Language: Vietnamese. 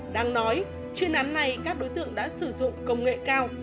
đáng nói chuyên án này các đối tượng đã sử dụng công nghệ cao